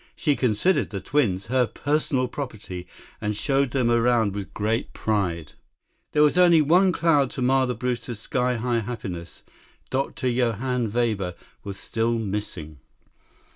She considered the twins her personal property and showed them around with great pride. There was only one cloud to mar the Brewsters' sky high happiness. Dr. Johann Weber was still missing.